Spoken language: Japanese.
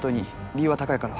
理由は高いから。